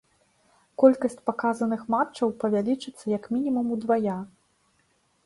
Колькасць паказаных матчаў павялічыцца як мінімум удвая.